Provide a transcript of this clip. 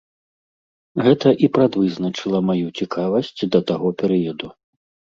Гэта і прадвызначыла маю цікавасць да таго перыяду.